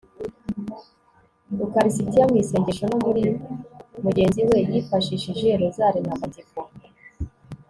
ukaristiya, mu isengesho no muri mugenzi we yifashishije rozari ntagatifu